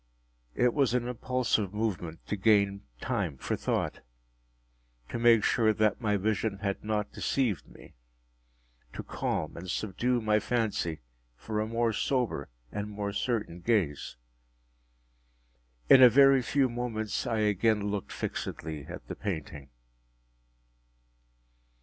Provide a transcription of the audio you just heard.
It was an impulsive movement to gain time for thought—to make sure that my vision had not deceived me—to calm and subdue my fancy for a more sober and more certain gaze. In a very few moments I again looked fixedly at the painting.